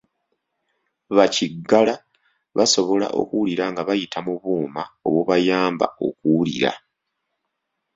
Ba kiggala basobola okuwulira nga bayita mu buuma obubayamba okuwulira.